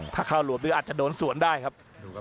ถ้าเข้าหลวบนี้อาจจะโดนสวนได้ครับ